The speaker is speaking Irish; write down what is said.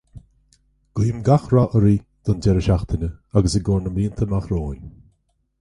Guím gach rath oraibh don deireadh seachtaine agus i gcomhair na mblianta amach romhainn